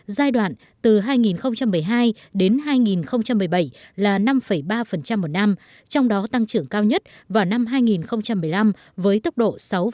giai đoạn từ hai nghìn một mươi hai đến hai nghìn một mươi bảy là năm ba một năm trong đó tăng trưởng cao nhất vào năm hai nghìn một mươi năm với tốc độ sáu